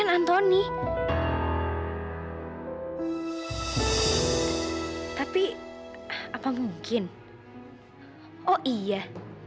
untuk lakukan sesuatu